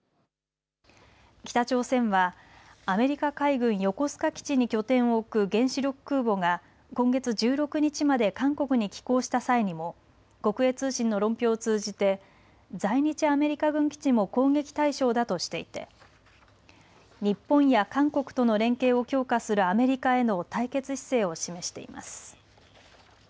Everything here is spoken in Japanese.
北朝鮮はアメリカ海軍横須賀基地に拠点を置く原子力空母が今月１６日まで韓国に寄港した際にも国営通信の論評を通じて在日アメリカ軍基地も攻撃対象だとしていて日本や韓国との連携を強化するアメリカへの対決姿勢を示しています。